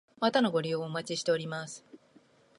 またのご利用お待ちしております。